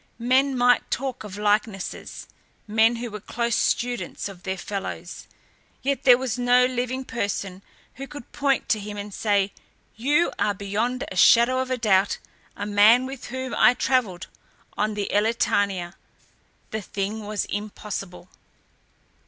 Men might talk of likenesses, men who were close students of their fellows, yet there was no living person who could point to him and say "You are, beyond a shadow of doubt, a man with whom I travelled on the Elletania." The thing was impossible.